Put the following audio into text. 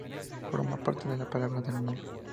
Forma parte de "La palabra del mudo".